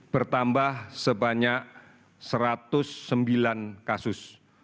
bertambah sebanyak satu ratus sembilan kasus